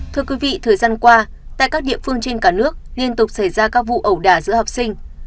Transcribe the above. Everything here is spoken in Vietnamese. thưa quý vị thời gian qua tại các địa phương trên cả nước liên tục xảy ra các vụ ẩu đả giữa học sinh